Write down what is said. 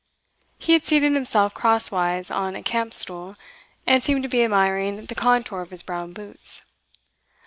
He had seated himself crosswise on a camp stool, and seemed to be admiring the contour of his brown boots.